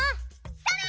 それ！